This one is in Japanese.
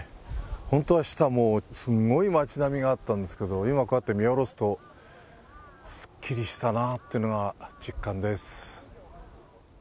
ホントは下もうすごい町並みがあったんですけど今こうやって見下ろすとすっきりしたなあってのが実感です